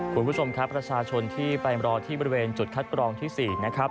คุณผู้ชมครับประชาชนที่ไปรอที่บริเวณจุดคัดกรองที่๔นะครับ